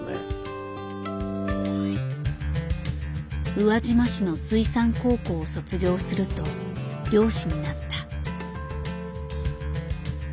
宇和島市の水産高校を卒業すると漁師になった。